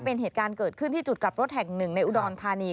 เป็นเหตุการณ์เกิดขึ้นที่จุดกลับรถแห่งหนึ่งในอุดรธานี